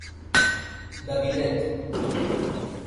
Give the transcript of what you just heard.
La Villette